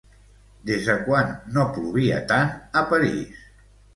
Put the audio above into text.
Des de quan no plovia tant a París?